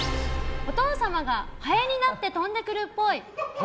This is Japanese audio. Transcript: お父様がハエになって飛んでくるっぽい。